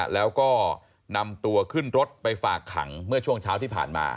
แล้วก็นำตัวขึ้นรถไปฝากขังเมื่อช่วงเช้าที่ผ่านมา